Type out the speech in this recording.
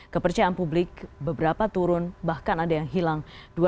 kepercayaan publik beberapa turun bahkan ada yang hilang